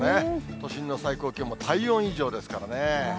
都心の最高気温、体温以上ですからね。